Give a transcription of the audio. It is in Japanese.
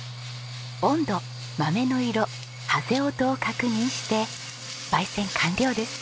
温度豆の色爆ぜ音を確認して焙煎完了です。